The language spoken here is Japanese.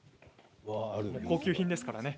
高級品ですからね。